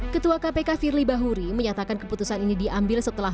ketua kpk firly bahuri menyatakan keputusan ini diambil setelah